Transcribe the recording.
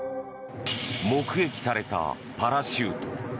目撃されたパラシュート。